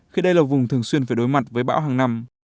khi đây là vùng thường xuyên phải đối mặt với bão hàng năm